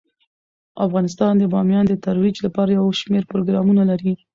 افغانستان د بامیان د ترویج لپاره یو شمیر پروګرامونه لري.